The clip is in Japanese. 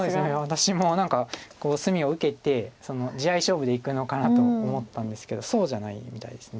私も何か隅を受けて地合い勝負でいくのかなと思ったんですけどそうじゃないみたいです。